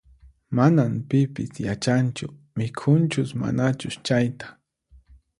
Manas pipis yachanchu mikhunchus manachus chayta